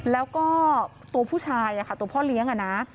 แล้วก็ตัวผู้ชายตัวพ่อเลี้ยงอะนะ